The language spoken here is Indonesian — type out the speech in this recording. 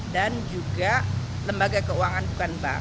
dan juga lembaga keuangan bukan bank